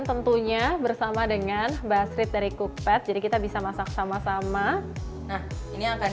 tentunya bersama dengan basrit dari cookpad jadi kita bisa masak sama sama nah ini akan